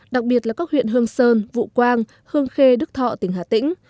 đặc biệt là các huyện hương sơn vũ quang hương khê đức thọ tỉnh hà tĩnh